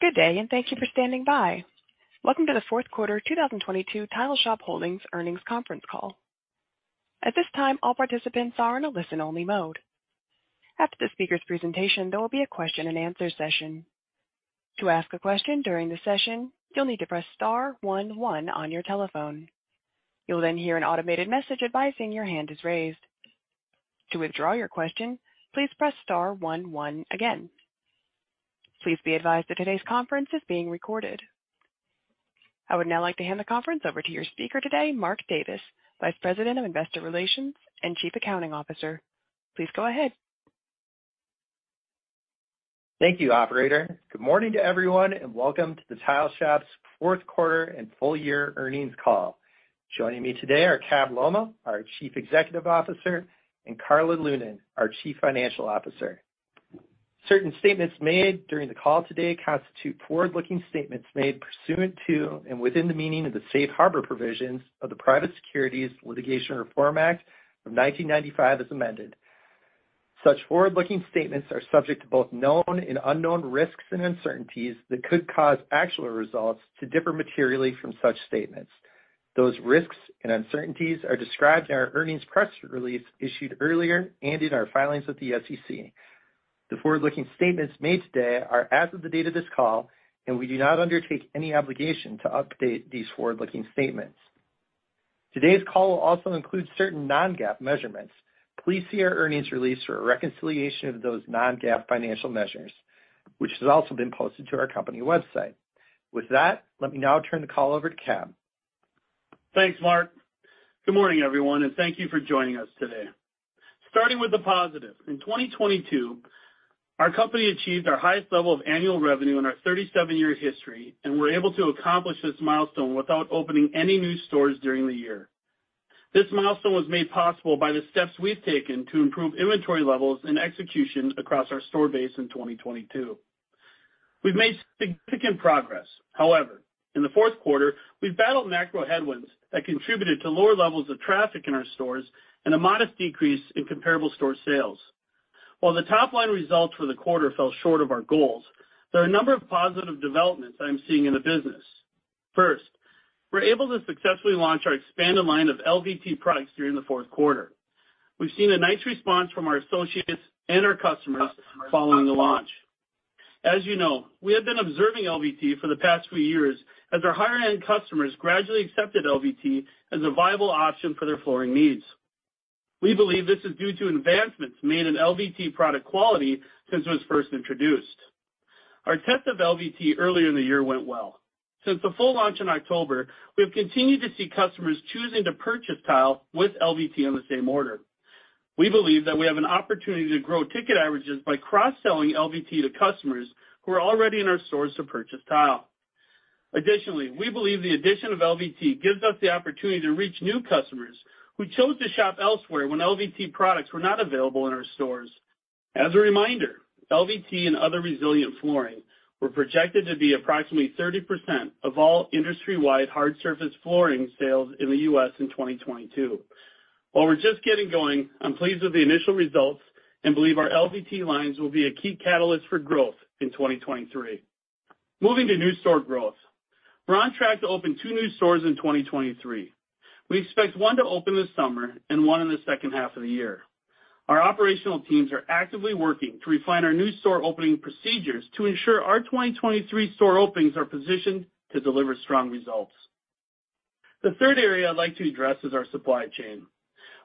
Good day. Thank you for standing by. Welcome to the fourth quarter 2022 Tile Shop Holdings Earnings Conference Call. At this time, all participants are in a listen-only mode. After the speaker's presentation, there will be a question-and-answer session. To ask a question during the session, you'll need to press star one one on your telephone. You'll then hear an automated message advising your hand is raised. To withdraw your question, please press star one one again. Please be advised that today's conference is being recorded. I would now like to hand the conference over to your speaker today, Mark Davis, Vice President of Investor Relations and Chief Accounting Officer. Please go ahead. Thank you, operator. Good morning to everyone, and welcome to The Tile Shop's fourth quarter and full year earnings call. Joining me today are Cabell Lolmaugh, our Chief Executive Officer, and Karla Lunan, our Chief Financial Officer. Certain statements made during the call today constitute forward-looking statements made pursuant to and within the meaning of the Safe Harbor Provisions of the Private Securities Litigation Reform Act from 1995 as amended. Such forward-looking statements are subject to both known and unknown risks and uncertainties that could cause actual results to differ materially from such statements. Those risks and uncertainties are described in our earnings press release issued earlier and in our filings with the SEC. The forward-looking statements made today are as of the date of this call, and we do not undertake any obligation to update these forward-looking statements. Today's call will also include certain non-GAAP measurements. Please see our earnings release for a reconciliation of those non-GAAP financial measures, which has also been posted to our company website. With that, let me now turn the call over to Cab. Thanks, Mark. Good morning, everyone, thank you for joining us today. Starting with the positive, in 2022, our company achieved our highest level of annual revenue in our 37-year history, we're able to accomplish this milestone without opening any new stores during the year. This milestone was made possible by the steps we've taken to improve inventory levels and execution across our store base in 2022. We've made significant progress, however, in the fourth quarter, we've battled macro headwinds that contributed to lower levels of traffic in our stores and a modest decrease in comparable store sales. While the top-line results for the quarter fell short of our goals, there are a number of positive developments I'm seeing in the business. First, we're able to successfully launch our expanded line of LVT products during the fourth quarter. We've seen a nice response from our associates and our customers following the launch. As you know, we have been observing LVT for the past few years as our higher-end customers gradually accepted LVT as a viable option for their flooring needs. We believe this is due to advancements made in LVT product quality since it was first introduced. Our test of LVT earlier in the year went well. Since the full launch in October, we have continued to see customers choosing to purchase tile with LVT in the same order. We believe that we have an opportunity to grow ticket averages by cross-selling LVT to customers who are already in our stores to purchase tile. Additionally, we believe the addition of LVT gives us the opportunity to reach new customers who chose to shop elsewhere when LVT products were not available in our stores. As a reminder, LVT and other resilient flooring were projected to be approximately 30% of all industry-wide hard surface flooring sales in the U.S. in 2022. While we're just getting going, I'm pleased with the initial results and believe our LVT lines will be a key catalyst for growth in 2023. Moving to new store growth. We're on track to open two new stores in 2023. We expect one to open this summer and one in the second half of the year. Our operational teams are actively working to refine our new store opening procedures to ensure our 2023 store openings are positioned to deliver strong results. The third area I'd like to address is our supply chain.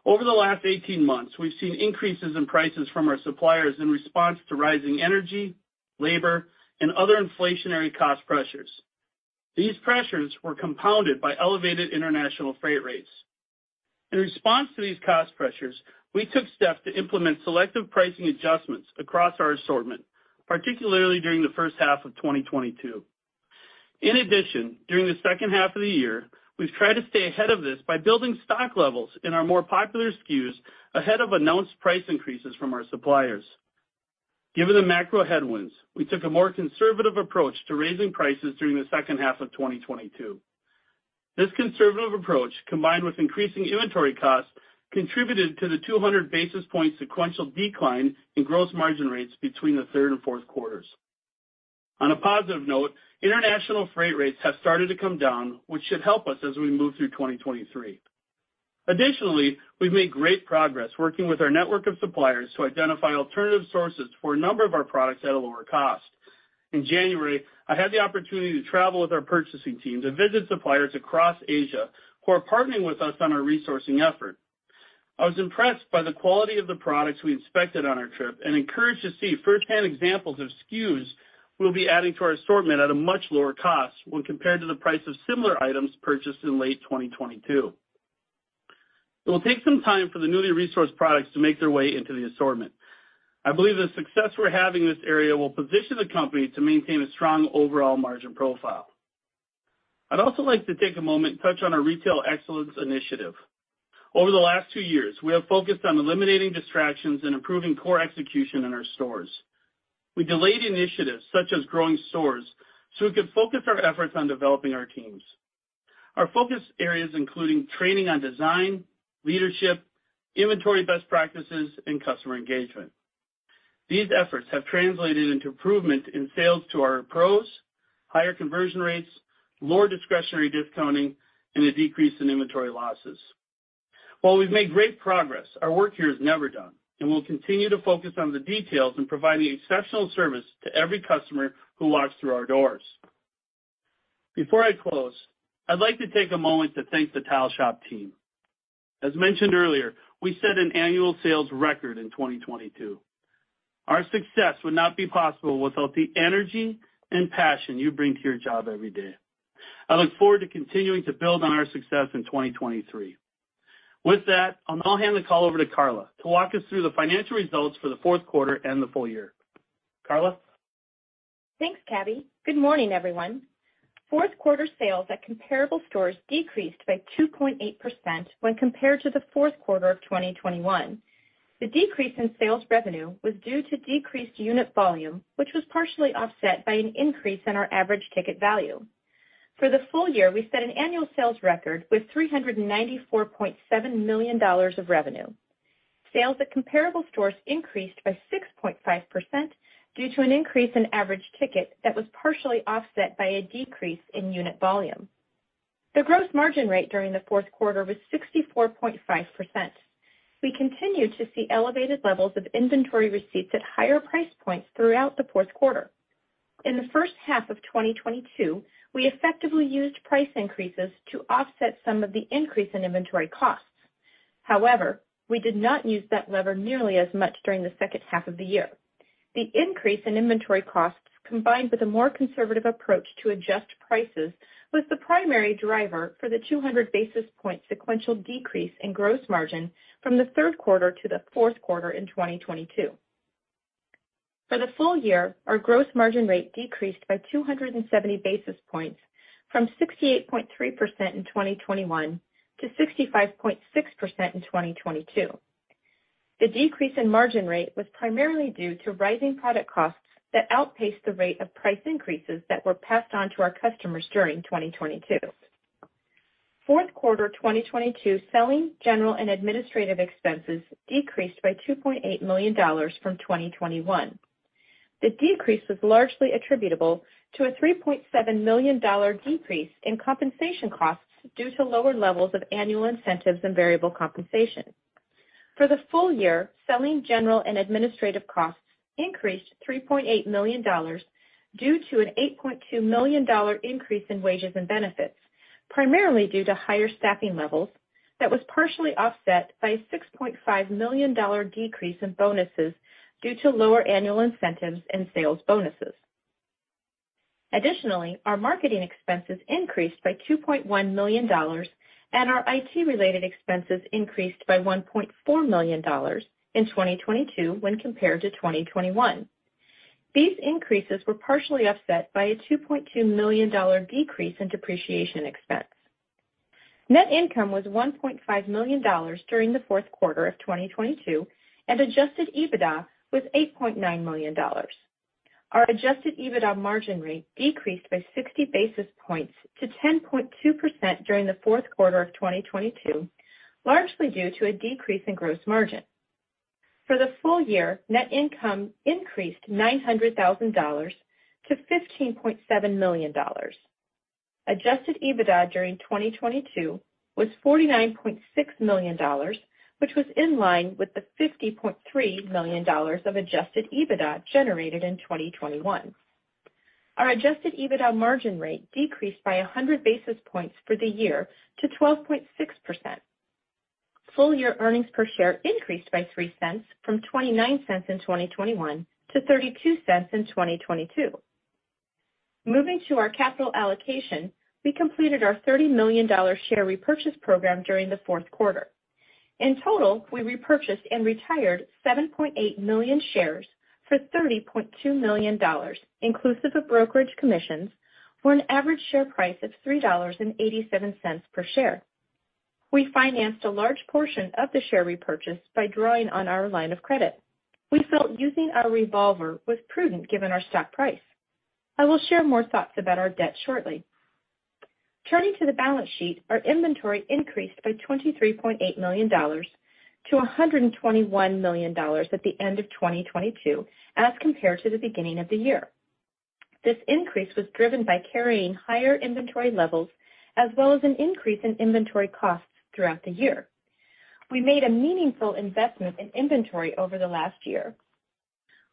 Over the last 18 months, we've seen increases in prices from our suppliers in response to rising energy, labor, and other inflationary cost pressures. These pressures were compounded by elevated international freight rates. In response to these cost pressures, we took steps to implement selective pricing adjustments across our assortment, particularly during the first half of 2022. In addition, during the second half of the year, we've tried to stay ahead of this by building stock levels in our more popular SKUs ahead of announced price increases from our suppliers. Given the macro headwinds, we took a more conservative approach to raising prices during the second half of 2022. This conservative approach, combined with increasing inventory costs, contributed to the 200 basis point sequential decline in gross margin rates between the third and fourth quarters. On a positive note, international freight rates have started to come down, which should help us as we move through 2023. Additionally, we've made great progress working with our network of suppliers to identify alternative sources for a number of our products at a lower cost. In January, I had the opportunity to travel with our purchasing team to visit suppliers across Asia who are partnering with us on our resourcing effort. I was impressed by the quality of the products we inspected on our trip and encouraged to see firsthand examples of SKUs we'll be adding to our assortment at a much lower cost when compared to the price of similar items purchased in late 2022. It will take some time for the newly resourced products to make their way into the assortment. I believe the success we're having in this area will position the company to maintain a strong overall margin profile. I'd also like to take a moment and touch on our retail excellence initiative. Over the last two years, we have focused on eliminating distractions and improving core execution in our stores. We delayed initiatives such as growing stores so we could focus our efforts on developing our teams. Our focus areas including training on design, leadership, inventory best practices, and customer engagement. These efforts have translated into improvement in sales to our pros, higher conversion rates, lower discretionary discounting, and a decrease in inventory losses. While we've made great progress, our work here is never done, and we'll continue to focus on the details and providing exceptional service to every customer who walks through our doors. Before I close, I'd like to take a moment to thank the Tile Shop team. As mentioned earlier, we set an annual sales record in 2022. Our success would not be possible without the energy and passion you bring to your job every day. I look forward to continuing to build on our success in 2023. I'll now hand the call over to Karla to walk us through the financial results for the fourth quarter and the full year. Karla? Thanks, Cabby. Good morning, everyone. Fourth quarter sales at comparable stores decreased by 2.8% when compared to the fourth quarter of 2021. The decrease in sales revenue was due to decreased unit volume, which was partially offset by an increase in our average ticket value. For the full year, we set an annual sales record with $394.7 million of revenue. Sales at comparable stores increased by 6.5% due to an increase in average ticket that was partially offset by a decrease in unit volume. The gross margin rate during the fourth quarter was 64.5%. We continued to see elevated levels of inventory receipts at higher price points throughout the fourth quarter. In the first half of 2022, we effectively used price increases to offset some of the increase in inventory costs. We did not use that lever nearly as much during the second half of the year. The increase in inventory costs, combined with a more conservative approach to adjust prices, was the primary driver for the 200 basis point sequential decrease in gross margin from the third quarter to the fourth quarter in 2022. For the full year, our gross margin rate decreased by 270 basis points from 68.3% in 2021 to 65.6% in 2022. The decrease in margin rate was primarily due to rising product costs that outpaced the rate of price increases that were passed on to our customers during 2022. Fourth quarter 2022 selling, general, and administrative expenses decreased by $2.8 million from 2021. The decrease was largely attributable to a $3.7 million decrease in compensation costs due to lower levels of annual incentives and variable compensation. For the full year, selling general and administrative costs increased $3.8 million due to an $8.2 million increase in wages and benefits, primarily due to higher staffing levels that was partially offset by a $6.5 million decrease in bonuses due to lower annual incentives and sales bonuses. Our marketing expenses increased by $2.1 million, and our IT related expenses increased by $1.4 million in 2022 when compared to 2021. These increases were partially offset by a $2.2 million decrease in depreciation expense. Net income was $1.5 million during the fourth quarter of 2022, and adjusted EBITDA was $8.9 million. Our adjusted EBITDA margin rate decreased by 60 basis points to 10.2% during the fourth quarter of 2022, largely due to a decrease in gross margin. For the full year, net income increased $900,000 to $15.7 million. Adjusted EBITDA during 2022 was $49.6 million, which was in line with the $50.3 million of adjusted EBITDA generated in 2021. Our adjusted EBITDA margin rate decreased by 100 basis points for the year to 12.6%. Full year earnings per share increased by $0.03 from $0.29 in 2021 to $0.32 in 2022. Moving to our capital allocation, we completed our $30 million share repurchase program during the fourth quarter. In total, we repurchased and retired 7.8 million shares for $30.2 million, inclusive of brokerage commissions for an average share price of $3.87 per share. We financed a large portion of the share repurchase by drawing on our line of credit. We felt using our revolver was prudent given our stock price. I will share more thoughts about our debt shortly. Turning to the balance sheet, our inventory increased by $23.8 million to $121 million at the end of 2022 as compared to the beginning of the year. This increase was driven by carrying higher inventory levels as well as an increase in inventory costs throughout the year. We made a meaningful investment in inventory over the last year.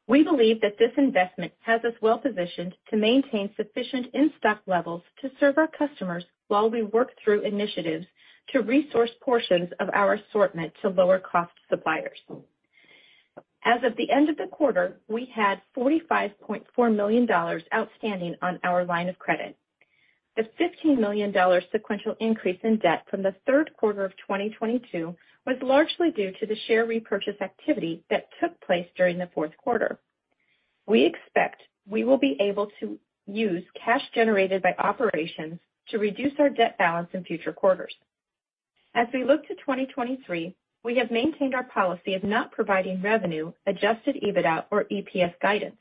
We believe that this investment has us well positioned to maintain sufficient in-stock levels to serve our customers while we work through initiatives to resource portions of our assortment to lower cost suppliers. As of the end of the quarter, we had $45.4 million outstanding on our line of credit. The $15 million sequential increase in debt from the third quarter of 2022 was largely due to the share repurchase activity that took place during the fourth quarter. We expect we will be able to use cash generated by operations to reduce our debt balance in future quarters. As we look to 2023, we have maintained our policy of not providing revenue, adjusted EBITDA or EPS guidance.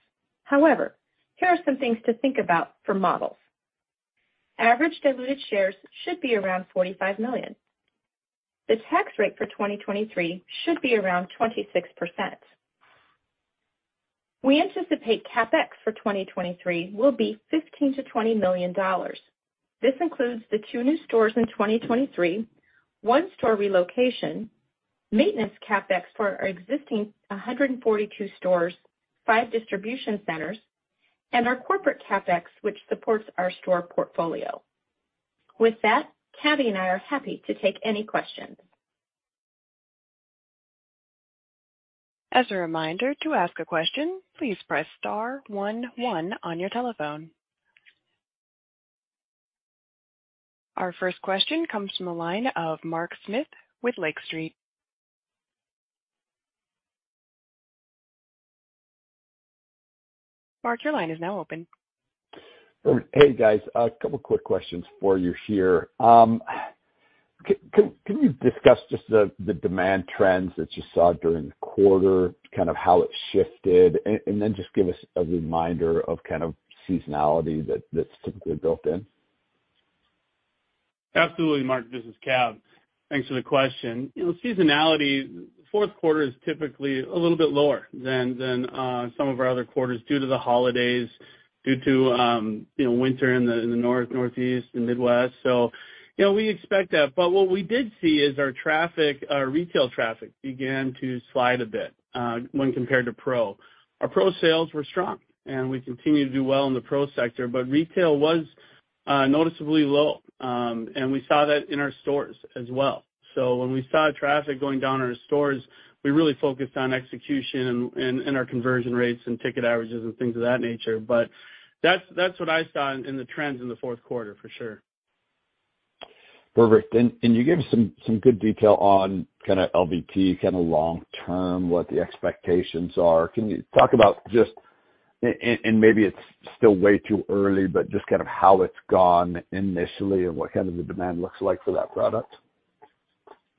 Here are some things to think about for models. Average diluted shares should be around 45 million. The tax rate for 2023 should be around 26%. We anticipate CapEx for 2023 will be $15 million-$20 million. This includes the two new stores in 2023, one store relocation, maintenance CapEx for our existing 142 stores, five distribution centers, and our corporate CapEx, which supports our store portfolio. With that, Cabby and I are happy to take any questions. As a reminder, to ask a question, please press star one one on your telephone. Our first question comes from the line of Mark Smith with Lake Street. Mark, your line is now open. Hey, guys. A couple quick questions for you here. Can you discuss just the demand trends that you saw during the quarter, kind of how it shifted, and then just give us a reminder of kind of seasonality that's typically built in? Absolutely, Mark. This is Cab. Thanks for the question. You know, seasonality, fourth quarter is typically a little bit lower than some of our other quarters due to the holidays, due to, you know, winter in the north, northeast and Midwest. You know, we expect that. What we did see is our traffic, our retail traffic began to slide a bit when compared to pro. Our pro sales were strong, and we continue to do well in the pro sector. Retail was noticeably low. We saw that in our stores as well. When we saw traffic going down in our stores, we really focused on execution and our conversion rates and ticket averages and things of that nature. That's what I saw in the trends in the fourth quarter for sure. Perfect. You gave some good detail on kind of LVT, kind of long term, what the expectations are. Can you talk about just maybe it's still way too early, but just kind of how it's gone initially and what kind of the demand looks like for that product?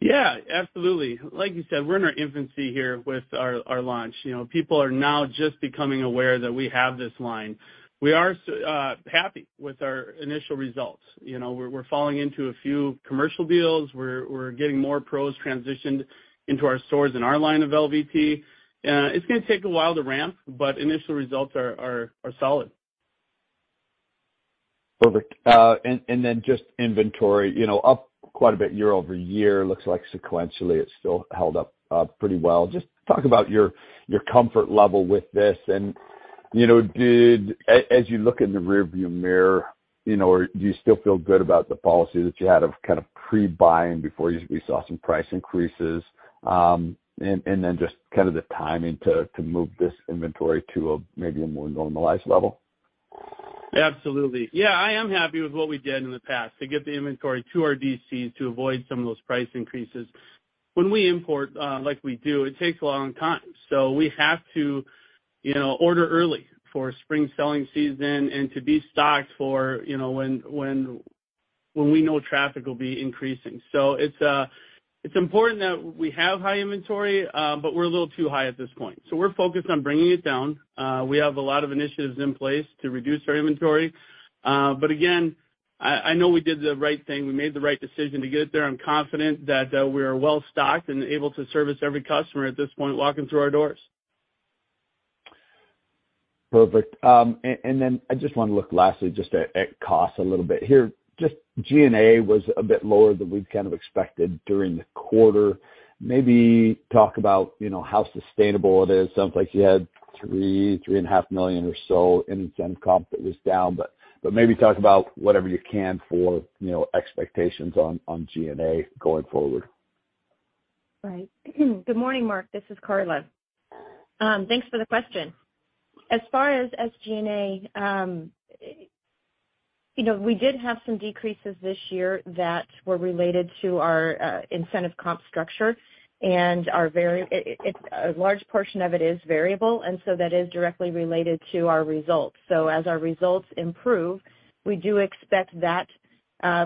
Yeah, absolutely. Like you said, we're in our infancy here with our launch. You know, people are now just becoming aware that we have this line. We are happy with our initial results. You know, we're falling into a few commercial deals. We're, we're getting more pros transitioned into our stores and our line of LVP. It's gonna take a while to ramp, but initial results are solid. Perfect. Then just inventory, you know, up quite a bit year-over-year. Looks like sequentially it's still held up, pretty well. Just talk about your comfort level with this and, you know, as you look in the rearview mirror, you know, do you still feel good about the policy that you had of kind of pre-buying before you saw some price increases? Then just kind of the timing to move this inventory to a maybe a more normalized level? Absolutely. Yeah, I am happy with what we did in the past to get the inventory to our DCs to avoid some of those price increases. When we import, like we do, it takes a long time, so we have to, you know, order early for spring selling season and to be stocked for, you know, when we know traffic will be increasing. It's important that we have high inventory, but we're a little too high at this point, so we're focused on bringing it down. We have a lot of initiatives in place to reduce our inventory. Again, I know we did the right thing. We made the right decision to get it there. I'm confident that we are well stocked and able to service every customer at this point walking through our doors. Perfect. And then I just wanna look lastly just at cost a little bit here. Just G&A was a bit lower than we've kind of expected during the quarter. Maybe talk about, you know, how sustainable it is. Sounds like you had $3.5 million or so in incent comp that was down, but maybe talk about whatever you can for, you know, expectations on G&A going forward. Right. Good morning, Mark, this is Karla. Thanks for the question. As far as SG&A, you know, we did have some decreases this year that were related to our incentive comp structure and a large portion of it is variable, that is directly related to our results. As our results improve, we do expect that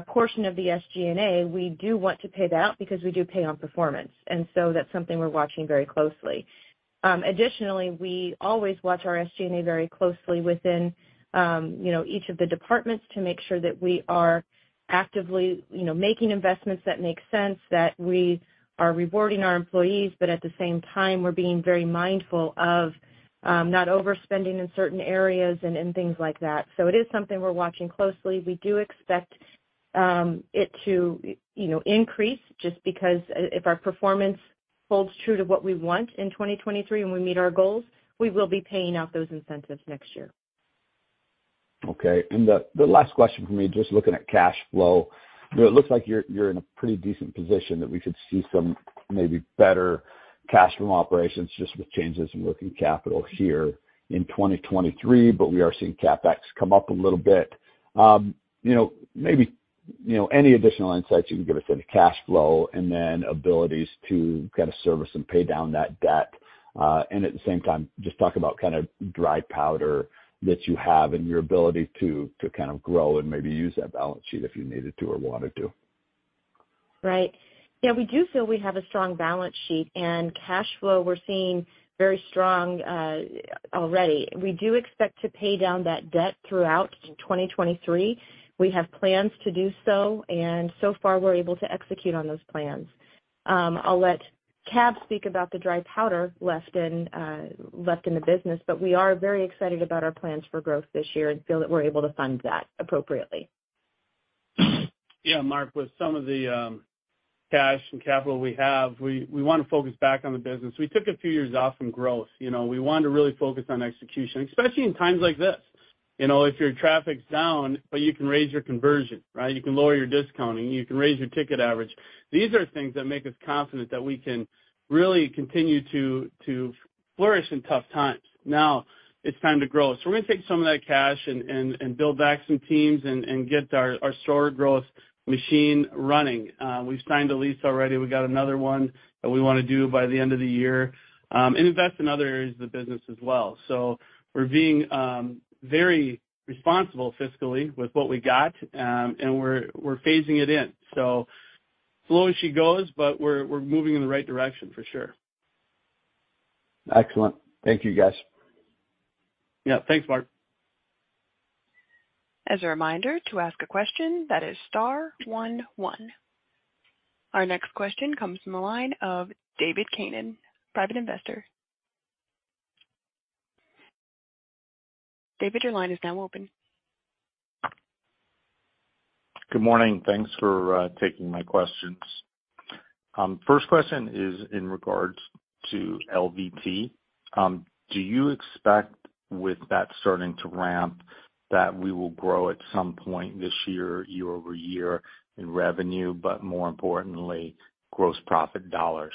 portion of the SG&A, we do want to pay that because we do pay on performance, that's something we're watching very closely. Additionally, we always watch our SG&A very closely within, you know, each of the departments to make sure that we are actively, you know, making investments that make sense, that we are rewarding our employees, but at the same time, we're being very mindful of not overspending in certain areas and things like that. It is something we're watching closely. We do expect, it to, you know, increase just because if our performance holds true to what we want in 2023 and we meet our goals, we will be paying out those incentives next year. Okay. The last question for me, just looking at cash flow. You know, it looks like you're in a pretty decent position that we could see some maybe better cash from operations just with changes in working capital here in 2023, but we are seeing CapEx come up a little bit. You know, maybe, you know, any additional insights you can give us on the cash flow and then abilities to kind of service and pay down that debt. At the same time, just talk about kind of dry powder that you have and your ability to kind of grow and maybe use that balance sheet if you needed to or wanted to. Right. Yeah, we do feel we have a strong balance sheet and cash flow we're seeing very strong already. We do expect to pay down that debt throughout 2023. We have plans to do so. So far we're able to execute on those plans. I'll let Cab speak about the dry powder left in the business. We are very excited about our plans for growth this year and feel that we're able to fund that appropriately. Yeah, Mark, with some of the cash and capital we have, we wanna focus back on the business. We took a few years off from growth. You know, we wanted to really focus on execution, especially in times like this. You know, if your traffic's down, but you can raise your conversion, right? You can lower your discounting, you can raise your ticket average. These are things that make us confident that we can really continue to flourish in tough times. Now it's time to grow. We're gonna take some of that cash and build back some teams and get our store growth machine running. We've signed a lease already. We've got another one that we wanna do by the end of the year and invest in other areas of the business as well. We're being very responsible fiscally with what we got, and we're phasing it in. Slow as she goes, but we're moving in the right direction for sure. Excellent. Thank you, guys. Yeah. Thanks, Mark. As a reminder, to ask a question, that is star one one. Our next question comes from the line of David Kanen, private investor. David, your line is now open. Good morning. Thanks for taking my questions. First question is in regards to LVT. Do you expect with that starting to ramp, that we will grow at some point this year-over-year in revenue, but more importantly, gross profit dollars?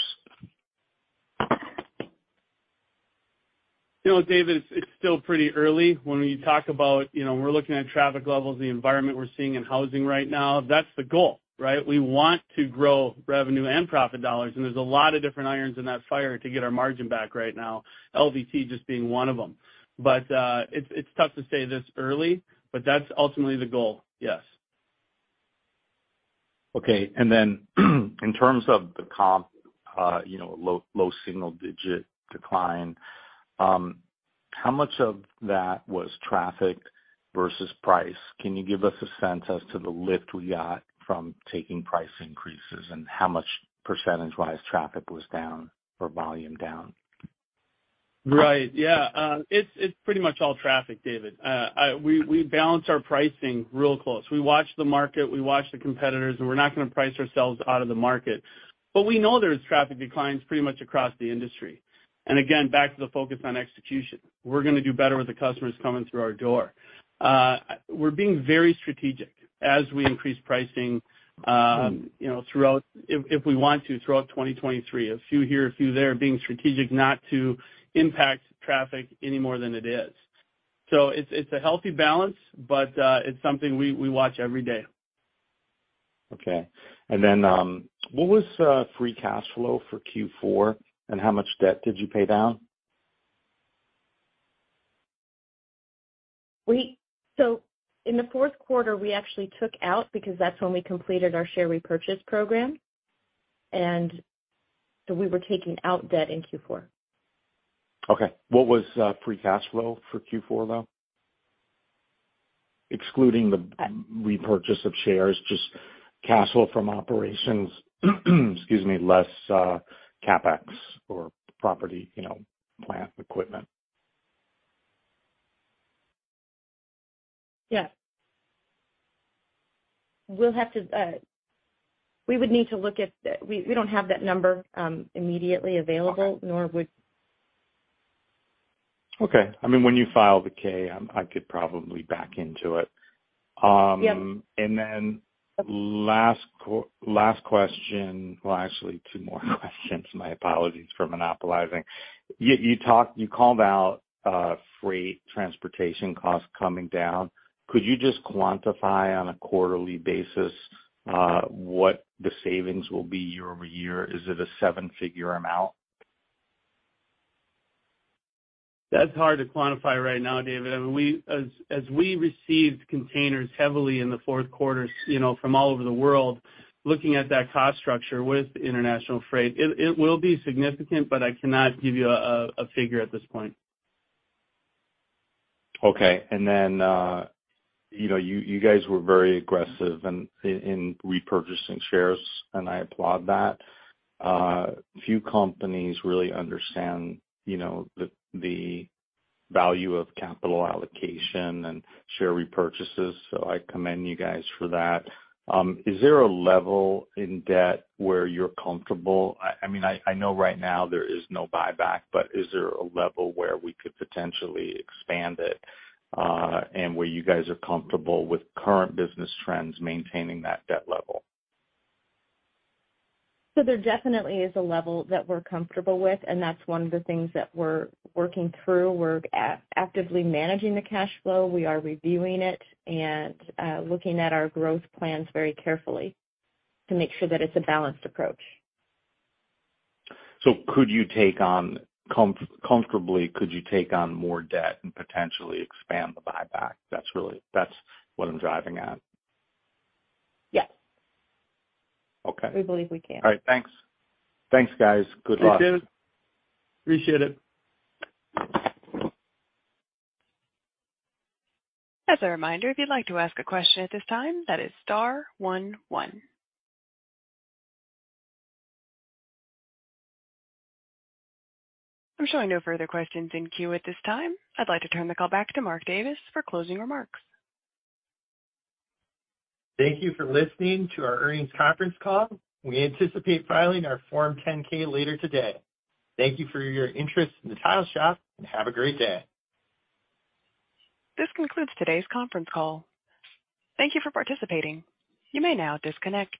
You know what, David? It's still pretty early. When we talk about, you know, we're looking at traffic levels, the environment we're seeing in housing right now, that's the goal, right? We want to grow revenue and profit dollars, and there's a lot of different irons in that fire to get our margin back right now, LVT just being one of them. It's tough to say this early, but that's ultimately the goal. Yes. Okay. In terms of the comp, you know, low, low single digit decline, how much of that was traffic versus price? Can you give us a sense as to the lift we got from taking price increases and how much percentage-wise traffic was down or volume down? Right. Yeah. It's pretty much all traffic, David. We balance our pricing real close. We watch the market, we watch the competitors, we're not gonna price ourselves out of the market. We know there's traffic declines pretty much across the industry. Again, back to the focus on execution. We're gonna do better with the customers coming through our door. We're being very strategic as we increase pricing, you know, if we want to, throughout 2023. A few here, a few there, being strategic not to impact traffic any more than it is. It's a healthy balance, but it's something we watch every day. What was free cash flow for Q4, and how much debt did you pay down? In the fourth quarter, we actually took out because that's when we completed our share repurchase program. We were taking out debt in Q4. Okay. What was free cash flow for Q4, though? Excluding the repurchase of shares, just cash flow from operations, excuse me, less CapEx or property, you know, plant equipment. Yeah. We'll have to... We don't have that number, immediately available. Okay. Nor would... Okay. I mean, when you file the K, I could probably back into it. Yep. Last question. Well, actually two more questions. My apologies for monopolizing. You called out freight, transportation costs coming down. Could you just quantify on a quarterly basis what the savings will be year-over-year? Is it a seven-figure amount? That's hard to quantify right now, David. I mean, as we received containers heavily in the fourth quarter, you know, from all over the world, looking at that cost structure with international freight, it will be significant, but I cannot give you a figure at this point. Okay. Then, you know, you guys were very aggressive in repurchasing shares, I applaud that. Few companies really understand, you know, the value of capital allocation and share repurchases, I commend you guys for that. Is there a level in debt where you're comfortable? I mean, I know right now there is no buyback, but is there a level where we could potentially expand it, and where you guys are comfortable with current business trends maintaining that debt level? There definitely is a level that we're comfortable with, and that's one of the things that we're working through. We're actively managing the cash flow. We are reviewing it and looking at our growth plans very carefully to make sure that it's a balanced approach. Could you take on comfortably, could you take on more debt and potentially expand the buyback? That's what I'm driving at. Yes. Okay. We believe we can. All right. Thanks. Thanks, guys. Good luck. Thanks, David. Appreciate it. As a reminder, if you'd like to ask a question at this time, that is star one one. I'm showing no further questions in queue at this time. I'd like to turn the call back to Mark Davis for closing remarks. Thank you for listening to our earnings conference call. We anticipate filing our Form 10-K later today. Thank you for your interest in The Tile Shop. Have a great day. This concludes today's conference call. Thank you for participating. You may now disconnect.